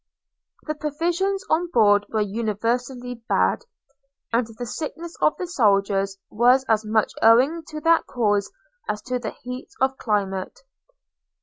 The provisions on board were universally bad; and the sickness of the soldiers was as much owing to that cause as to the heat of climate.